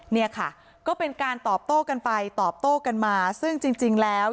เนี่ยค่ะก็เป็นการตอบโต้กันไปตอบโต้กันมาซึ่งจริงแล้ว